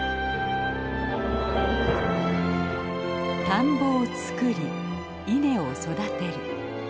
田んぼを作り稲を育てる。